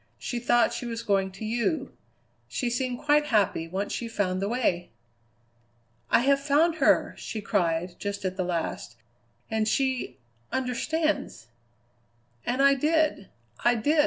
She thought she was going to you. She seemed quite happy once she found the way! "'I have found her!' she cried just at the last, 'and she understands!'" "And I did, I did!"